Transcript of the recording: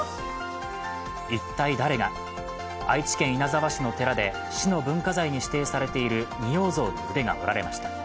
一体、誰が、愛知県稲沢市の寺で市の文化財に指定されている仁王像の腕が折られました。